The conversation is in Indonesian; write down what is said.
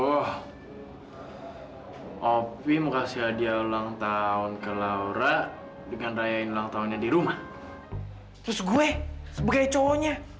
oh opi mau kasih hadiah ulang tahun ke laura dengan rayain ulang tahunnya di rumah terus gue sebagai cowoknya